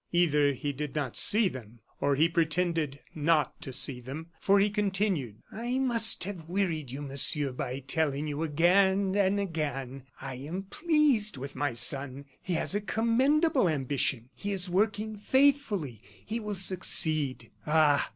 Either he did not see them, or he pretended not to see them, for he continued: "I must have wearied you, Monsieur, by telling you again and again: 'I am pleased with my son. He has a commendable ambition; he is working faithfully; he will succeed.' Ah!